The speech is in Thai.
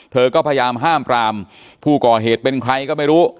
เธอก็พยายามห้ามปรามผู้ก่อเหตุเป็นใครก็ไม่รู้